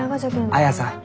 綾さん。